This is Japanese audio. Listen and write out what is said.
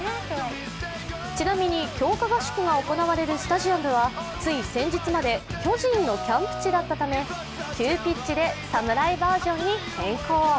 ちなみに強化合宿が行われるスタジアムはつい先日まで巨人のキャンプ地だったため急ピッチで侍バージョンに変更。